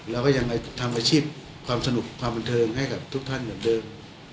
เราก็ยังทำอาชีพความสนุกความบันเทิงให้กับทุกท่านเหมือนเดิม